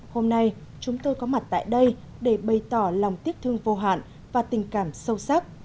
hôm nay chúng tôi có mặt tại đây để bày tỏ lòng tiếc thương vô hạn và tình cảm sâu sắc